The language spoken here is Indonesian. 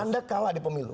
anda kalah di pemilu